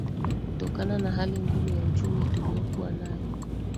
kutokana na hali ngumu ya uchumi tuliokuwa nayo